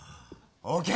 ＯＫ！